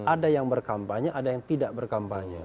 ada yang berkampanye ada yang tidak berkampanye